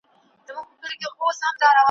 موږ یو چي د دې په سر کي شور وینو `